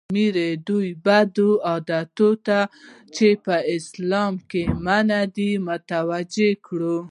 امیر دوی بدو عادتونو ته چې په اسلام کې منع دي متوجه کړل.